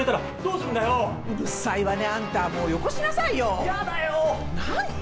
うるさいわね、あんた、もうよこしなさいよ。